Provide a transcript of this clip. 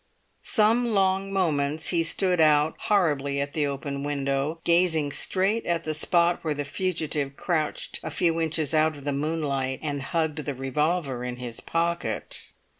Some long moments he stood out horribly at the open window, gazing straight at the spot where the fugitive crouched a few inches out of the moonlight and hugged the revolver in his pocket.